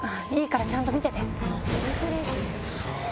いいからちゃんと見てて。